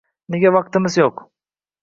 Nega vaqtimiz yo‘q?